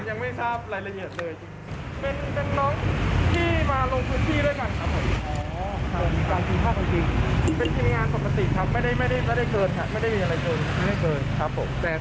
ยังไม่ทราบรายละเอียดเลยจริง